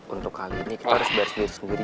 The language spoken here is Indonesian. untuk kali ini kita harus beres diri sendiri